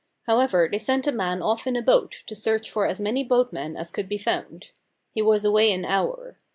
However, they sent a man off in a boat to search for as many boatmen as could be found. He was away an hour.